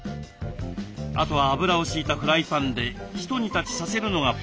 あとは油を敷いたフライパンでひと煮立ちさせるのがポイント。